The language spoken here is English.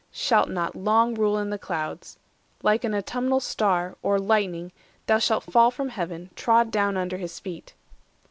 shalt not long Rule in the clouds. Like an autumnal star, Or lightning, thou shalt fall from Heaven, trod down 620 Under his feet.